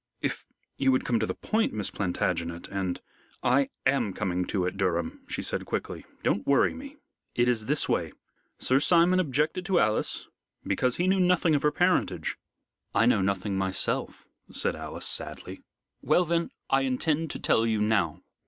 "If you would come to the point, Miss Plantagenet, and " "I am coming to it, Durham," she said quickly. "Don't worry me. It is this way: Sir Simon objected to Alice because he knew nothing of her parentage." "I know nothing myself," said Alice, sadly. "Well then, I intend to tell you now.